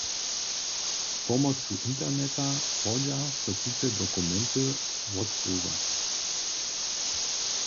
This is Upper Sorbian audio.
Z pomocu interneta hodźa so tute dokumenty wotwołać.